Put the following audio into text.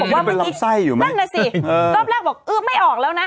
แล้วลูกบอกว่านั่นนะสิรอบแรกบอกอื้อไม่ออกแล้วนะ